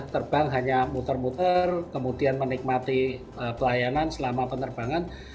terbang hanya muter muter kemudian menikmati pelayanan selama penerbangan